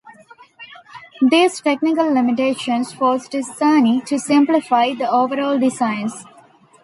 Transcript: These technical limitations forced Cerny to simplify the overall designs.